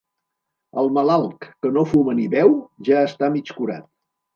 El malalt que no fuma ni beu, ja està mig curat.